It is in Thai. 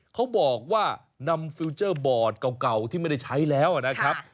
เขาบอกว่านำฟิลเจอร์บอร์ดเก่าที่ไม่ได้ใช้แล้วนะครับ